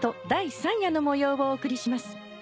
第三夜の模様をお送りします。